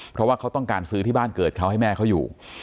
เพราะว่าเขาต้องการซื้อที่บ้านเกิดเขาให้แม่เขาอยู่